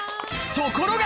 ところが！